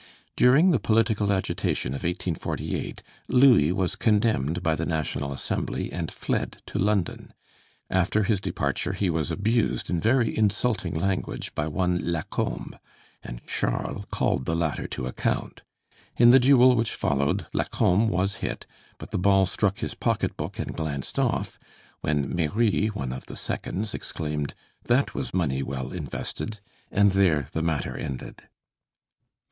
During the political agitation of 1848, Louis was condemned by the National Assembly, and fled to London. After his departure, he was abused in very insulting language by one Lacombe, and Charles called the latter to account. In the duel which followed, Lacombe was hit, but the ball struck his pocket book and glanced off, when Méry, one of the seconds, exclaimed, "That was money well invested!" and there the matter ended.